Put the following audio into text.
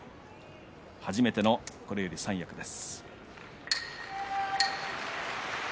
初めてのこれより三役です。